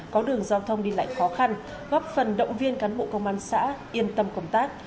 có đường giao thông đi lại khó khăn góp phần động viên cán bộ công an xã yên tâm công tác